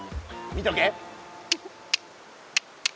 見とけ。